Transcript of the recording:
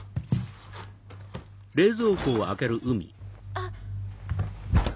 あっ！